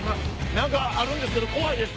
何かあるんですけど怖いです！